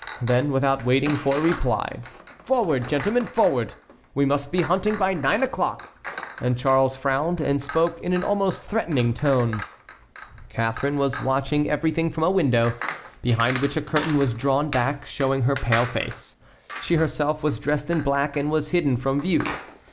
Then without waiting for a reply: "Forward, gentlemen, forward! we must be hunting by nine o'clock!" and Charles frowned and spoke in an almost threatening tone. Catharine was watching everything from a window, behind which a curtain was drawn back, showing her pale face. She herself was dressed in black and was hidden from view.